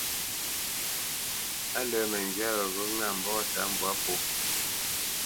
Á lə̄ məŋgywá weghó ŋâ mbɔ́ta mbwǎ pō.